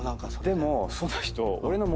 でもその人俺の。